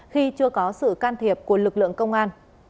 khi chưa có sự can thiệp của lực lượng công an